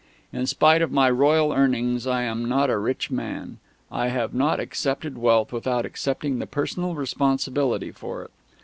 In spite of my royal earnings, I am not a rich man. I have not accepted wealth without accepting the personal responsibility for it.